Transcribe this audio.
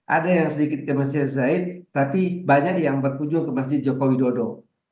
ada yang sedikit ke masjid zaid tapi banyak yang berkunjung ke masjid joko widodo